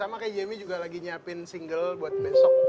sama kayak jamie juga lagi nyiapin single buat besok